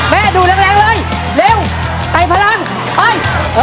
แม่ดูแรงแรงเลยเร็วใส่พลังไป